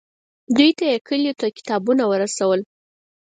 دوی ته یې کلیو ته کتابونه ورسول.